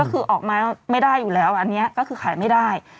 ก็คือออกมาไม่ได้อยู่แล้วอันนี้ก็คือขายไม่ได้